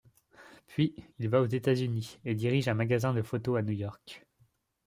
Puis il va aux États-Unis et dirige un magasin de photo à New York.